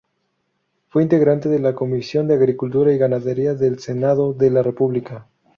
Fue integrante de la comisión de agricultura y ganadería del Senado de la República.